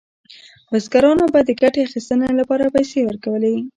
بزګرانو به د ګټې اخیستنې لپاره پیسې ورکولې.